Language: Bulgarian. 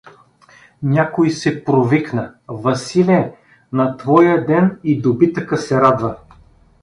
Някой се провикна: — Василе, на твоя ден и добитъка се радва.